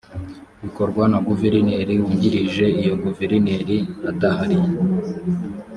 bikorwa na guverineri wungirije iyo guverineri adahari